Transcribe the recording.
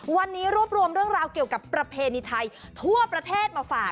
วันนี้รวบรวมเรื่องราวเกี่ยวกับประเพณีไทยทั่วประเทศมาฝาก